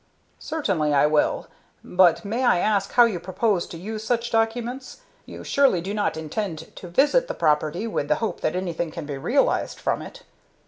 "Certainly I will; but may I ask how you propose to use such documents? You surely do not intend to visit the property with the hope that anything can be realized from it?"